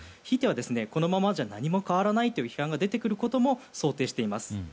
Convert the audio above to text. ひいては、このままじゃ何も変わらないという批判が出てくることも想定しています。